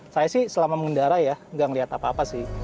saya sih selama mengendara ya gak ngeliat apa apa sih